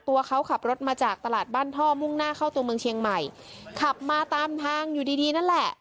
ตัวเขาขับรถมาจากตลาดบ้านท่อมุ่งหน้าเข้าตัวเมืองเชียงใหม่ขับมาตามทางอยู่ดีดีนั่นแหละ